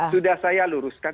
sudah saya luruskan